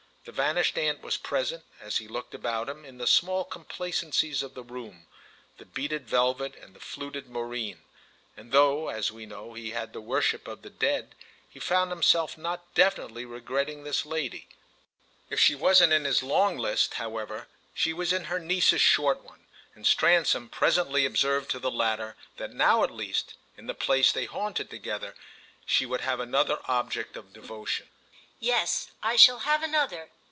The vanished aunt was present, as he looked about him, in the small complacencies of the room, the beaded velvet and the fluted moreen; and though, as we know, he had the worship of the Dead, he found himself not definitely regretting this lady. If she wasn't in his long list, however, she was in her niece's short one, and Stransom presently observed to the latter that now at least, in the place they haunted together, she would have another object of devotion. "Yes, I shall have another.